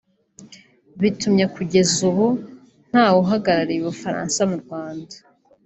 bitumye kugeza ubu ntawe uhagarariye u Bufaransa mu Rwanda